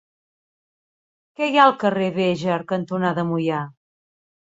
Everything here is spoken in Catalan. Què hi ha al carrer Béjar cantonada Moià?